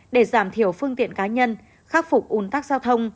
để giảm thiểu phương tiện cá nhân khắc phục ủn tắc giao thông